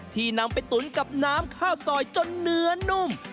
นำไปตุ๋นกับน้ำข้าวซอยจนเนื้อนุ่ม